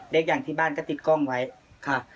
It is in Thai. อย่างที่บ้านก็ติดกล้องไว้ค่ะ